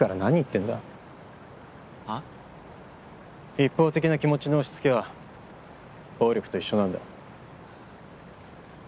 一方的な気持ちの押し付けは暴力と一緒なんだよ。